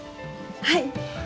はい！